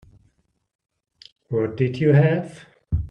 What did you have?